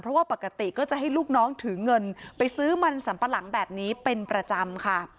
เพราะว่าปกติก็จะให้ลูกน้องถือเงินไปซื้อมันสัมปะหลังแบบนี้เป็นประจำค่ะ